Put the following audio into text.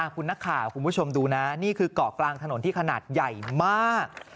คุณนักข่าวคุณผู้ชมดูนะนี่คือเกาะกลางถนนที่ขนาดใหญ่มาก